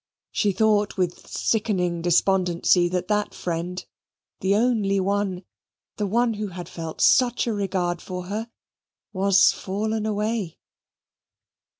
She thought with sickening despondency, that that friend the only one, the one who had felt such a regard for her was fallen away.